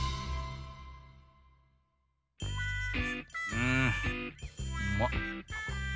うんうまっ！